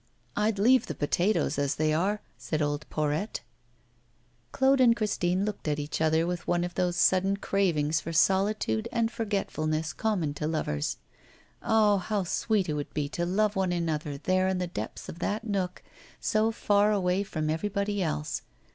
'I'd leave the potatoes as they are,' said old Porrette. Claude and Christine looked at each other with one of those sudden cravings for solitude and forgetfulness common to lovers. Ah! how sweet it would be to love one another there in the depths of that nook, so far away from everybody else!